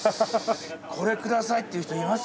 これくださいって言う人います？